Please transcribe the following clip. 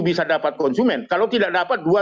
bisa dapat konsumen kalau tidak dapat dua tiga